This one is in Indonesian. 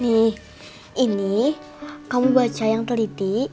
di ini kamu baca yang teliti